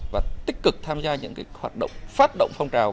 và tích cực tham gia những hoạt động phát động phong trào